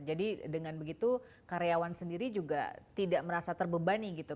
jadi dengan begitu karyawan sendiri juga tidak merasa terbebani gitu